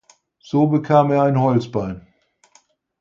So bekam er ein Holzbein.